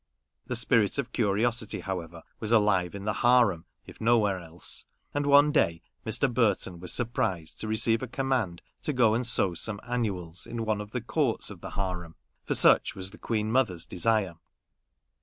The spirit of curiosity, however, was alive in the harem, if nowhere else ; and one day Mr. Burton was surprised to receive a command to go and sow some annuals in one of the courts of the harem, for such was the Queen mother's desire.